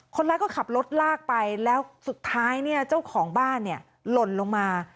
คนร้ายก็ขับรถลากไปแล้วสุดท้ายเจ้าของบ้านล่นลงมา